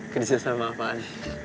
kerja sama apaan